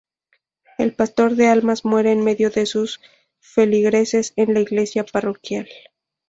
El pastor de almas muere en medio de sus feligreses en la iglesia parroquial.